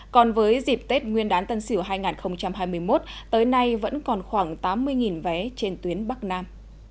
còn với dịp tết nguyên đán tân sửu hai nghìn hai mươi một tới nay vẫn còn khoảng tám mươi vé trên tuyến bắc nam